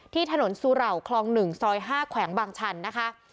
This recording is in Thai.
ที่ถนนสุเหล่าคลอง๑ซอย๕แขวงบางชันนะคะ